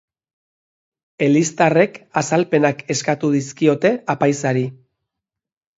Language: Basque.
Eliztarrek azalpenak eskatu dizkiote apaizari.